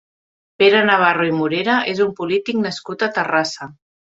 Pere Navarro i Morera és un polític nascut a Terrassa.